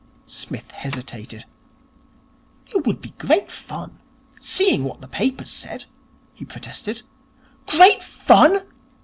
Psmith hesitated. 'It would be great fun seeing what the papers said,' he protested. 'Great fun!'